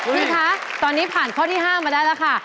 คุณคะตอนนี้ผ่านข้อที่๕มาได้แล้วค่ะ